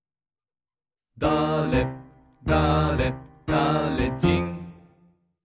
「だれだれだれじん」